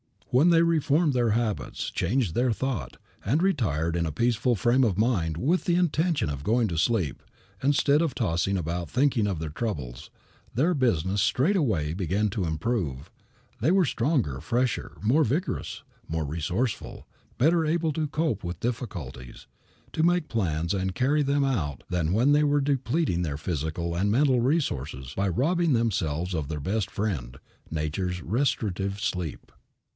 When they reformed their habits, changed their thought, and retired in a peaceful frame of mind with the intention of going to sleep, instead of tossing about thinking of their troubles, their business straightway began to improve. They were stronger, fresher, more vigorous, more resourceful, better able to cope with difficulties, to make plans and to carry them out than when they were depleting their physical and mental resources by robbing themselves of their best friend, Nature's restorative, sleep.